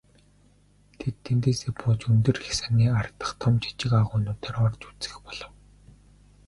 Тэд тэндээсээ бууж өндөр хясааны ар дахь том жижиг агуйнуудаар орж үзэх болов.